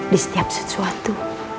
di setiap sesuatu